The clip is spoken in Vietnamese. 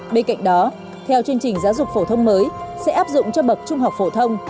bên cạnh đó theo chương trình giáo dục phổ thông mới sẽ áp dụng cho bậc trung học phổ thông